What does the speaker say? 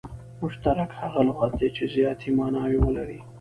مشترک هغه لغت دئ، چي زیاتي ماناوي ولري.